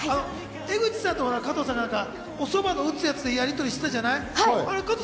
江口さんと加藤さん、そばを打つやつでやりとりしたじゃない。